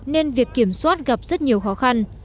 nên việc kiểm soát gặp rất nhiều khó khăn